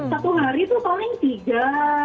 satu hari itu paling tiga